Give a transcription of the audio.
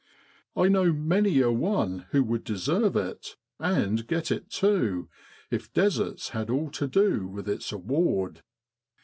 I know many a one who would deserve it; and get it, too, if deserts had all to do with its award.